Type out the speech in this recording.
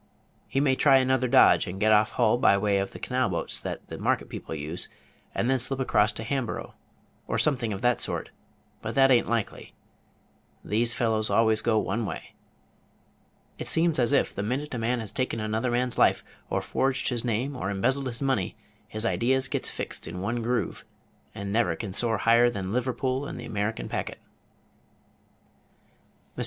He may try another dodge, and get off Hull way by the canal boats that the market people use, and then slip across to Hamborough, or something of that sort; but that a'n't likely these fellows always go one way. It seems as if the minute a man has taken another man's life, or forged his name, or embezzled his money, his ideas gets fixed in one groove, and never can soar higher than Liverpool and the American packet." Mr.